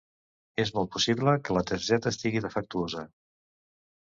És molt possible que la targeta estigui defectuosa.